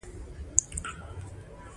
کتابچه د لیکلو تمرین کوي